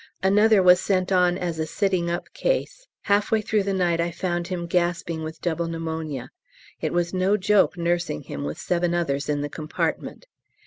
Another was sent on as a sitting up case. Half way through the night I found him gasping with double pneumonia; it was no joke nursing him with seven others in the compartment.